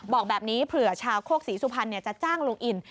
บอกแบบนี้เผื่อชาวโคกศรีสุพรรณจะจ้างลุงอิน